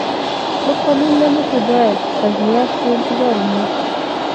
د قانون له مخې باید شپږ میاشتې انتظار وي.